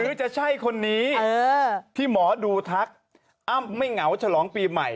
หรือจะใช่คนนี้ที่หมอดูทักอ้ำไม่เหงาฉลองปีใหม่